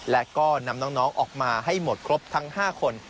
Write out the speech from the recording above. และก็นำน้องออกมาให้หมดครบทั้ง๕คน